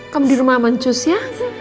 kamu di rumah amancus ya